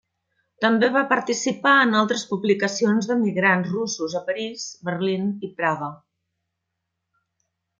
També va participar en altres publicacions d'emigrants russos a París, Berlín, i Praga.